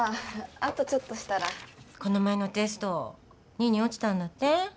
あとちょっとしたらこの前のテスト２位に落ちたんだって？